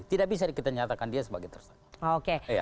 tidak bisa kita nyatakan dia sebagai tersangka